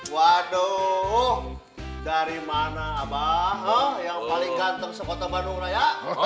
waduh dari mana abah yang paling ganteng sekota bandung raya